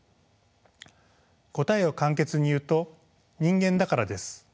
答えを簡潔に言うと「人間だから」です。